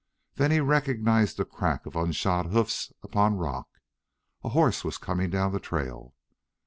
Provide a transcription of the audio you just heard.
Then he recognized the crack of unshod hoofs upon rock. A horse was coming down the trail.